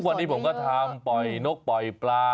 วันนี้ผมก็ทำปล่อยนกปล่อยปลา